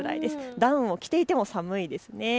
ダウンを着ていても寒いです。